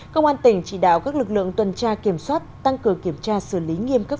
công an tỉnh chỉ đạo các lực lượng tuần tra kiểm soát tăng cường kiểm tra xử lý nghiêm cấp